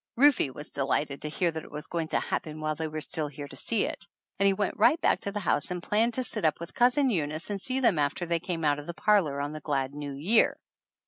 Rufe was delighted to hear that it was going to happen while they were still here to see it; and we went right back to the house and planned to sit up with Cousin Eunice and see them after they came out of the parlor on the glad New Year.